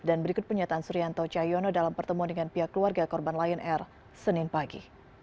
dan berikut penyataan suryanto chayono dalam pertemuan dengan pihak keluarga korban lion air senin pagi